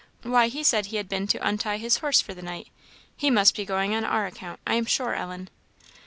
"Why, he said he had been to untie his horse for the night. He must be going on our account, I am sure, Ellen!"